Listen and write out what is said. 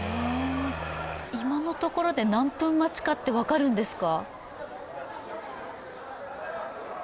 今のところで何分待ちかって分かるんですか？